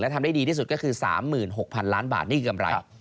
ทำได้ดีที่สุดก็คือ๓๖๐๐๐ล้านบาทนี่คือกำไร